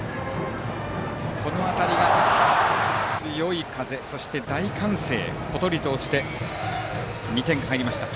この当たりが強い風と大歓声でぽとりと落ちて２点が入りました。